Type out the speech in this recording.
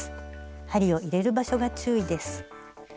針を入れる場所が注意です。